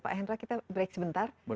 pak hendra kita break sebentar